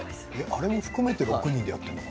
あれも含めて６人でやっているの？